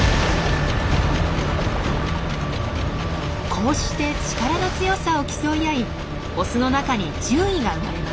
こうして力の強さを競い合いオスの中に順位が生まれます。